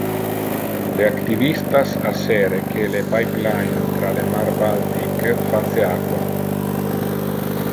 Le activistas assere que le pipeline tra le Mar Baltic face aqua.